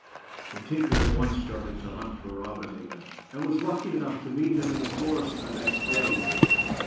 The tinker at once started to hunt for Robin again ; and was lucky enough to meet him in the forest the next day.